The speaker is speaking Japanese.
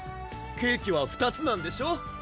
ケーキは２つなんでしょ？